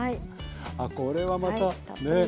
あっこれはまたねえ？